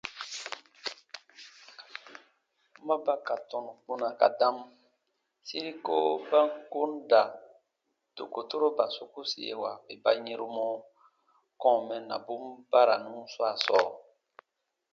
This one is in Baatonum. Ma ba ka tɔnu kpuna ka dam, siri kowo ba ko n da dokotoroba sokusiewa bè ba yɛ̃ru mɔ kɔ̃ɔ mɛnnabun baranu swaa sɔɔ.